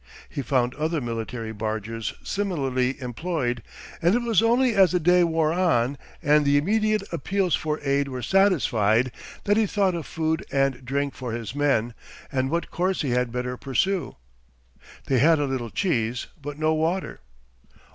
He found other military barges similarly employed, and it was only as the day wore on and the immediate appeals for aid were satisfied that he thought of food and drink for his men, and what course he had better pursue. They had a little cheese, but no water.